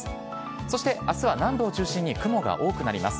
そしてあすは南部を中心に雲が多くなります。